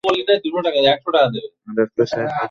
Doctor সাহেব বললেন, বুঝতে পারছি না।